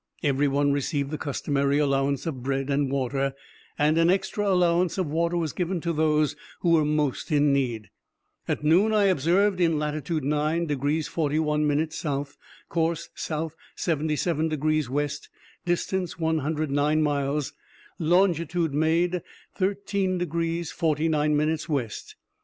_—Every one received the customary allowance of bread and water, and an extra allowance of water was given to those who were most in need. At noon I observed in latitude 9 degrees 41 minutes south; course south 77 degrees west, distance 109 miles; longitude made 13 degrees 49 minutes west.